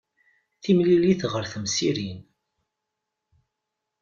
Timmlilit ɣer temsirin.